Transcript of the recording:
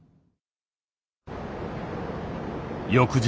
翌日。